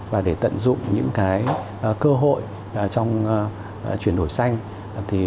và để tận dụng những cơ hội trong chuyển đổi xanh